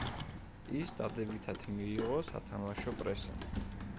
ის დადებითად მიიღო სათამაშო პრესამ.